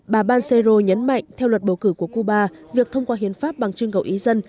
bà bansero nhấn mạnh theo luật bầu cử của cuba việc thông qua hiến pháp bằng trưng cầu ý dân